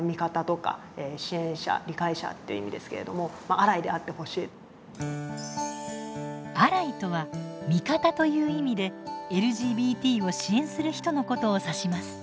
小川さんたちに寄せられた声には「アライ」とは「味方」という意味でＬＧＢＴを支援する人のことを指します。